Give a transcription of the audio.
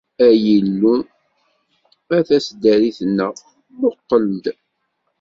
Ay Illu, a taseddarit-nneɣ, muqel-d!